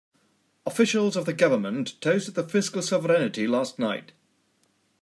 Officials of the government toasted the fiscal sovereignty last night.